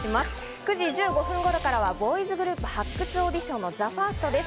９時１５分頃からはボーイズグループ発掘オーディションのＴＨＥＦＩＲＳＴです。